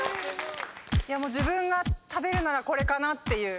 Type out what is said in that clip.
もう自分が食べるならこれかなっていう。